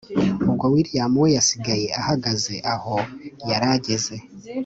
ubwo william we yasigaye ahagaze aho yarageze